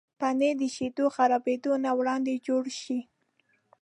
پنېر د شیدو خرابېدو نه وړاندې جوړ شي.